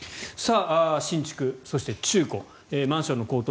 新築、そして中古マンションの高騰